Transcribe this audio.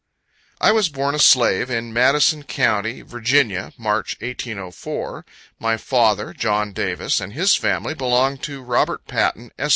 I was born a slave, in Madison county, Virginia, March, 1804. My father, John Davis, and his family, belonged to Robert Patten, Esq.